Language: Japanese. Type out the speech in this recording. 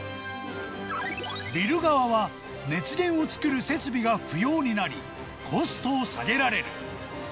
ビル側は、熱源を作る設備が不要になり、コストを下げられる。